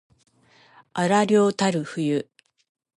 荒涼たる冬